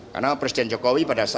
karena presiden jokowi berhasil